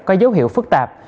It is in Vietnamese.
có dấu hiệu phức tạp